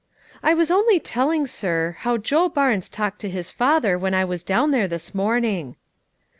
"I was only telling, sir, how Joe Barnes talked to his father when I was down there this morning."